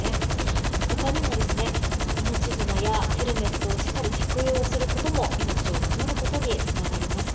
他にも、命綱やヘルメットをしっかり着用することも命を守ることにつながります。